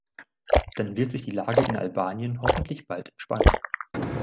Dann wird sich die Lage in Albanien hoffentlich bald entspannen.